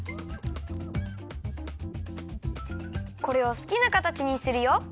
これをすきなかたちにするよ。